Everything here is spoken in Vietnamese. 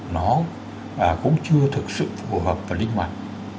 nó cũng chưa thực sự phù hợp và linh hoạt